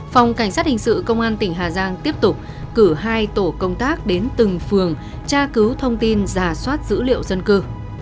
phòng cảnh sát hình sự công an tỉnh hà giang tiếp tục cử hai tổ công tác đến từng phường tra cứu thông tin giả soát dữ liệu dân cư